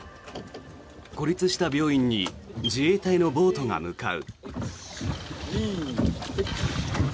孤立した病院に自衛隊のボートが向かう。